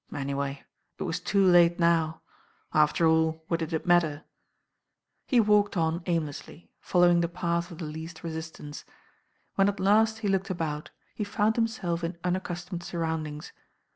Anyway, it was too late now. After all, what did it matter? He walked on aimlessly, following the path of the least resistance. When at last he looked about, he found himself in unaccustomed surroundings.